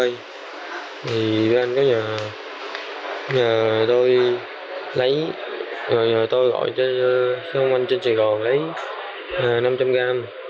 thì bi anh có nhờ tôi gọi cho công an trên sài gòn lấy năm trăm linh gram